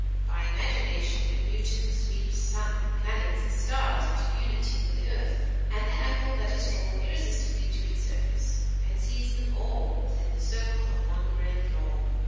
By imagination a Newton sweeps sun, planets, and stars into unity with the earth and the apple that is drawn irresistibly to its surface, and sees them all within the circle of one grand law.